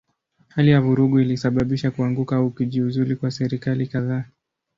Hali ya vurugu ilisababisha kuanguka au kujiuzulu kwa serikali kadhaa.